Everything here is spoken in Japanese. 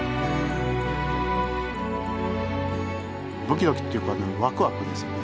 ドキドキっていうかワクワクですね。